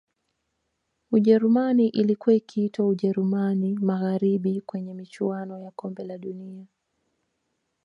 Ujerumani ilkuwa ikiitwa Ujerumani Magharibi kwenye michuano ya kombe la dunia